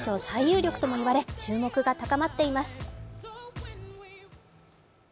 最有力とも言われ、注目が高まっています。